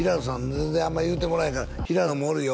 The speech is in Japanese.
全然あんま言うてもらえへんから「平野もおるよ」